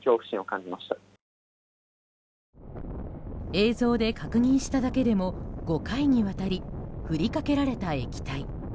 映像で確認しただけでも５回にわたり振りかけられた液体。